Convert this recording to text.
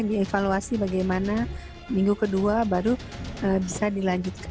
dievaluasi bagaimana minggu kedua baru bisa dilanjutkan